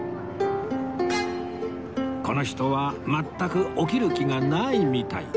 この人は全く起きる気がないみたい